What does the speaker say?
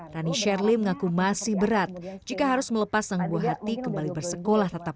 rani sherly mengaku masih berat jika harus melepas sang buah hati kembali bersekolah